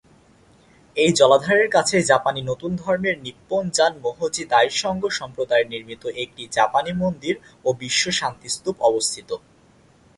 এই জলাধারের কাছেই জাপানি নতুন ধর্মের নিপ্পনজান-ম্যোহোজি-দাইসঙ্গ সম্প্রদায় নির্মিত একটি জাপানি মন্দির ও বিশ্ব শান্তি স্তূপ অবস্থিত।